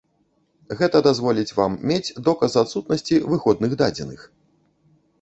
Гэта дазволіць вам мець доказ адсутнасці выходных дадзеных.